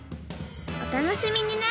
おたのしみにね！